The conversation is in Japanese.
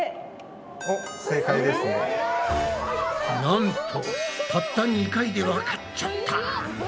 なんとたった２回でわかっちゃった！